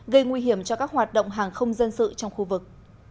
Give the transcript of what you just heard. gây nguy hiểm cho các hoạt động hàng không dân sự trong khu vực